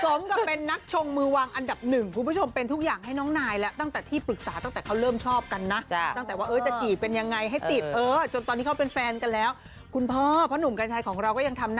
สมกับเป็นนักชงมือวางอันดับ๑คุณผู้ชม